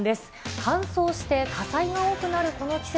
乾燥して火災が多くなるこの季節。